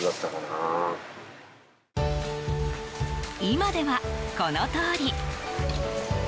今では、このとおり。